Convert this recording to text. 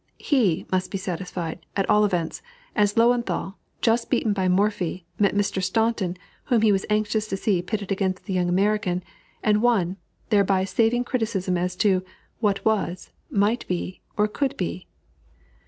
He must be satisfied, at all events, as Löwenthal, just beaten by Morphy, met Mr. Staunton, whom he was anxious to see pitted against the young American, and won, thereby saving criticism as to "What was, might be, or could be."